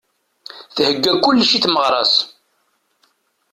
Thegga kullec i tmeɣra-s.